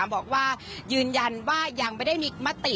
บอกว่ายืนยันว่ายังไม่ได้มีมติ